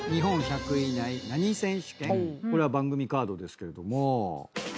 これは番組カードですけれども。